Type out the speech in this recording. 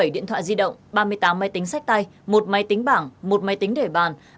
một mươi điện thoại di động ba mươi tám máy tính sách tay một máy tính bảng một máy tính để bàn